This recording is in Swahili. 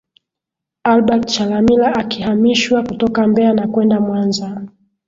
Albert Chalamila akihamishwa kutoka Mbeya na kwenda Mwanza